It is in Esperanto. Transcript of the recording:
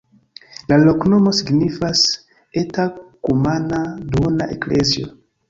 La loknomo signifas: eta-kumana-duona-eklezio.